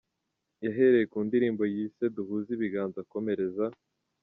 Yahereye ku ndirimbo yise ‘Duhuze ibiganza’, akomereza